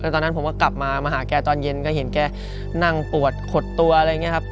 ตอนนั้นผมก็กลับมามาหาแกตอนเย็นก็เห็นแกนั่งปวดขดตัวอะไรอย่างนี้ครับ